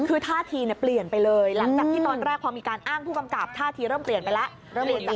คือท่าทีเปลี่ยนไปเลยหลังจากที่ตอนแรกพอมีการอ้างผู้กำกับท่าทีเริ่มเปลี่ยนไปแล้ว